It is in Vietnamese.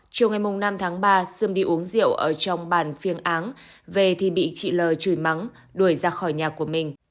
chiều ngày năm tháng ba sươm đi uống rượu ở trong bàn phiêng áng về thì bị chị l chửi mắng đuổi ra khỏi nhà của mình